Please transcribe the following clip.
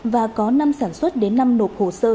và có năm sản xuất đến năm nộp hồ sơ